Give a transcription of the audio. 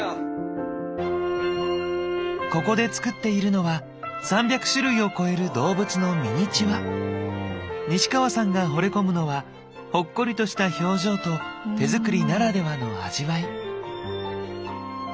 ここで作っているのは３００種類を超える西川さんが惚れ込むのはほっこりとした表情と手作りならではの味わい。